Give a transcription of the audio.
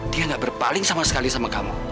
dia gak berpaling sama sekali sama kamu